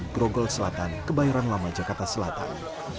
grogol selatan kebayoran lama jakarta selatan